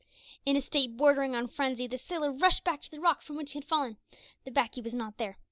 In a state bordering on frenzy, the sailor rushed back to the rock from which he had fallen. The "baccy" was not there.